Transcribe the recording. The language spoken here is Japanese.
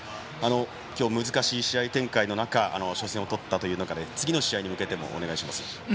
今日難しい試合展開の中初戦をとったということで次の試合に向けてもお願いします。